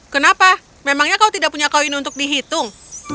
kenapa memangnya kau tidak punya koin untuk dihitung